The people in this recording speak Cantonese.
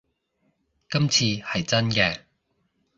今次係真嘅